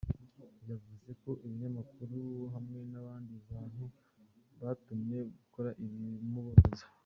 Yavuze ko ibinyamakuru hamwe n’abandi bantu bamutumye gukora ibimubabaza.